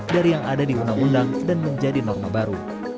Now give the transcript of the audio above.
dari yang ada di undang undang dan menjadi norma baru